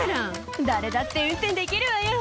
「誰だって運転できるわよ」